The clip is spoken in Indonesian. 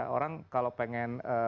orang kalau pengen